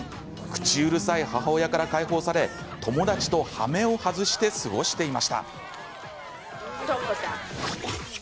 口うるさい母親から解放され友達と、はめを外して過ごしていました。